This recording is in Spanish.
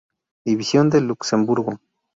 División de Luxemburgo.